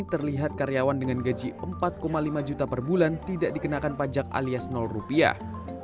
terlihat karyawan dengan gaji empat lima juta per bulan tidak dikenakan pajak alias rupiah